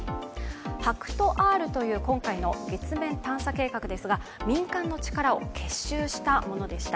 ＨＡＫＵＴＯ−Ｒという今回の月面探査計画ですが民間の力を結集したものでした。